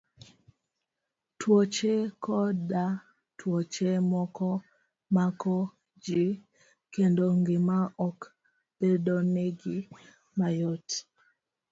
Tuoche koda tuoche moko mako ji, kendo ngima ok bedonegi mayot.